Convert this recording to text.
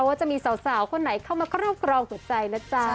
ว่าจะมีสาวคนไหนเข้ามาครอบครองหัวใจนะจ๊ะ